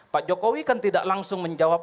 pak jokowi kan tidak langsung menjawab